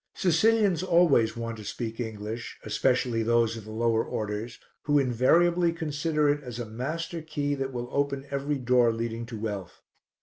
Sicilians always want to speak English, especially those of the lower orders who invariably consider it as a master key that will open every door leading to wealth.